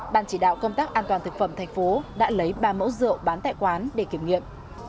ban chỉ đạo công tác an toàn thực phẩm thành phố đã lấy ba mẫu rượu bán tại quán để kiểm nghiệm